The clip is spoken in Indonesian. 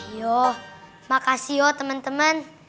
iya makasih ya teman teman